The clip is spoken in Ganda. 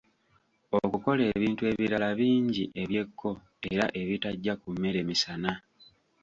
Okukola ebintu ebirala bingi eby'ekko era ebitajja ku mmere misana.